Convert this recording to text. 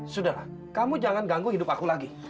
sudah kamu jangan ganggu hidup aku lagi